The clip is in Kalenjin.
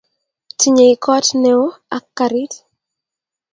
Tinyei koot neo ago karit